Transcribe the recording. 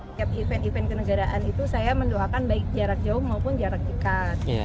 setiap event event kenegaraan itu saya mendoakan baik jarak jauh maupun jarak dekat